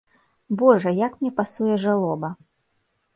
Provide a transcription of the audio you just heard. Божа, як мне пасуе жалоба!